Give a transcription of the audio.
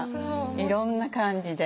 いろんな感じで。